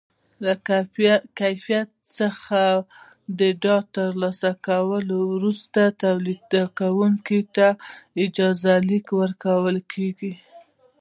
له کیفیت څخه د ډاډ ترلاسه کولو وروسته تولیدوونکي ته اجازه لیک ورکول کېږي.